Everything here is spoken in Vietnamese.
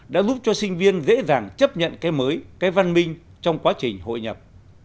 đã giúp cho sinh viên dễ dàng chấp nhận cái mới cái văn minh trong quá trình hội nhập